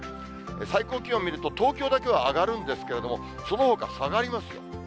最高気温見ると、東京だけは上がるんですけれども、そのほか下がりますよ。